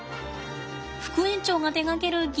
副園長が手がける擬